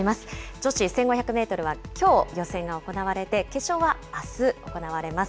女子１５００メートルはきょう予選が行われて、決勝はあす行われます。